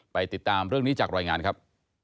ติดตามเรื่องนี้จากรายงานครับ